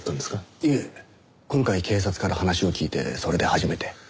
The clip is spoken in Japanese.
いえ今回警察から話を聞いてそれで初めて。